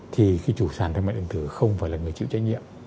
thì cái chủ sản thương mại điện tử không phải là người chịu trách nhiệm